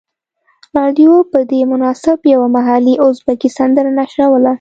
رادیو په دې مناسبت یوه محلي ازبکي سندره نشروله.